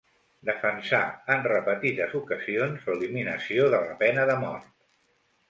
Defensà en repetides ocasions l'eliminació de la pena de mort.